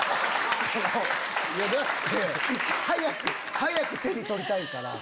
早く手に取りたいから。